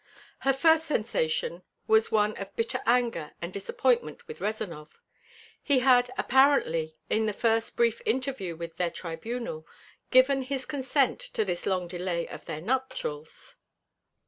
Her first sensation was one of bitter anger and disappointment with Rezanov. He had, apparently, in the first brief interview with their tribunal, given his consent to this long delay of their nuptials.